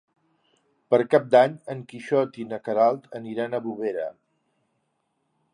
Per Cap d'Any en Quixot i na Queralt aniran a Bovera.